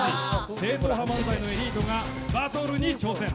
正統派漫才のエリートがバトルに挑戦。